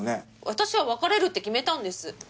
私は別れるって決めたんです。